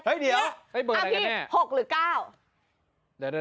เฮ้ยเวลาอะไรกันแน่ะเฮ้ยพี่๖หรือ๙